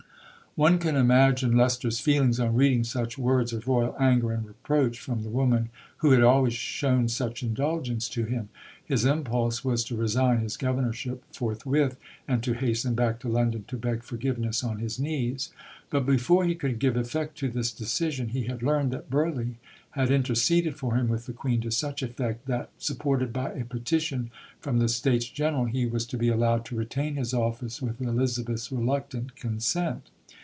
One can imagine Leicester's feelings on reading such words of Royal anger and reproach from the woman who had always shown such indulgence to him. His impulse was to resign his governorship forthwith, and to hasten back to London to beg forgiveness on his knees; but before he could give effect to this decision he had learned that Burghley had interceded for him with the Queen to such effect that, supported by a petition from the States General, he was to be allowed to retain his office with Elizabeth's reluctant consent.